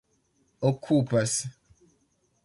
okupas